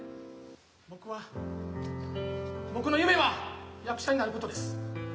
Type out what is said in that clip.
僕は僕の夢は役者になることです。